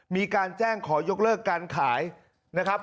มีการแจ้งขอยกเลิกการขายนะครับ